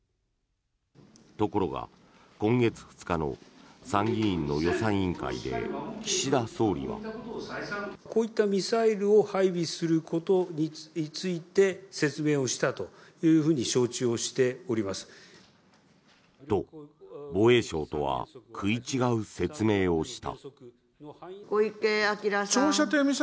ところが、今月２日の参議院の予算委員会で岸田総理は。と、防衛省とは食い違う説明をした。